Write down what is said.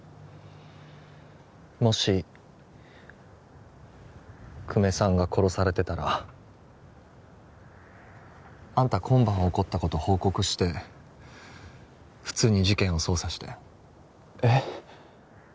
もし久米さんが殺されてたらあんた今晩起こったこと報告して普通に事件を捜査してえっ？